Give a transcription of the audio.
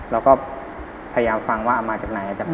แล้วก็พยายามฟังว่ามาจากไหน